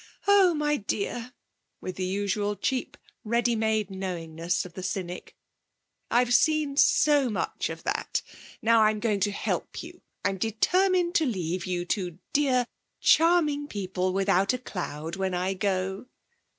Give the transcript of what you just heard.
'Oh, my dear' (with the usual cheap, ready made knowingness of the cynic), 'I've seen so much of that. Now I'm going to help you. I'm determined to leave you two dear, charming people without a cloud, when I go.'